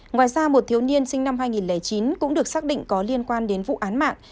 ngoài ra một thiếu niên sinh năm hai nghìn chín cũng được xác định có liên quan đến vụ án mạng